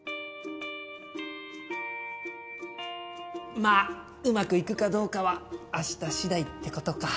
まあうまくいくかどうかは明日次第ってことか。